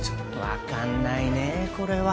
分かんないねこれは